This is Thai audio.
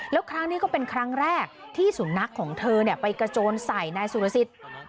แล้วครั้งนี้ก็เป็นครั้งแรกที่สุนัขของเธอไปกระโจนใส่นายสุรสิทธิ์